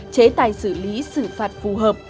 chế tài xử lý xử phạt phù hợp